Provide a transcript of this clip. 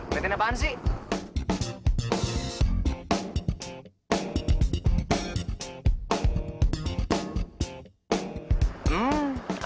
beritain apaan sih